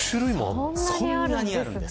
そんなにあるんです。